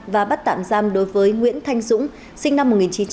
và bắt tạm giam đối với nguyễn thanh dũng sinh năm một nghìn chín trăm chín mươi năm